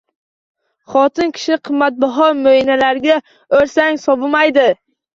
Xotin kishini qimmatbaho mo’ynalarga o’rasang – sovimaydi.